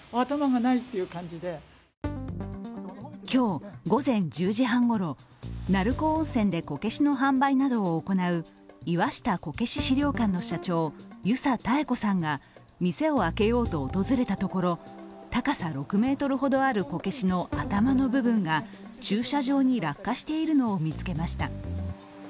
今日午前１０時半ごろ、鳴子温泉でこけしの販売などを行う岩下こけし資料館の社長遊佐妙子さんが店を開けようと訪れたところ高さ６ｍほどあるこけしの頭の部分が駐車場に落下しているのを見つけました。